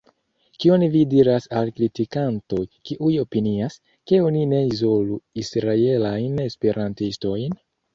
Kion vi diras al kritikantoj, kiuj opinias, ke oni ne izolu israelajn esperantistojn?